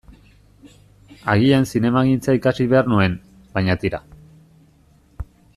Agian zinemagintza ikasi behar nuen, baina tira.